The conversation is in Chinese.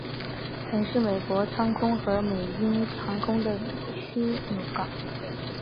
曾是美国航空和美鹰航空的枢杻港。